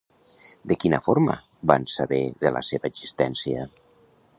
De quina forma van saber de la seva existència?